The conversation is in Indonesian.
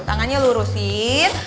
tuh tangannya lurusin